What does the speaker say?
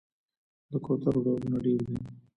د کوترو ډولونه ډیر دي